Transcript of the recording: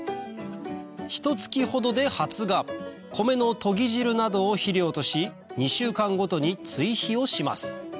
ひと月ほどで発芽コメのとぎ汁などを肥料とし２週間ごとに追肥をします